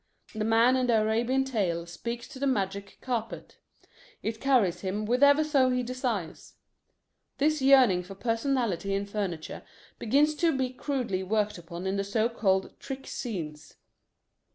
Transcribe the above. The man in the Arabian tale speaks to the magic carpet. It carries him whithersoever he desires. This yearning for personality in furniture begins to be crudely worked upon in the so called trick scenes.